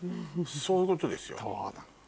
そういうことですよ。